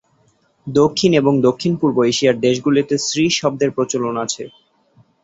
দক্ষিণ এবং দক্ষিণপূর্ব এশিয়ার দেশগুলিতে শ্রী শব্দের প্রচলন আছে।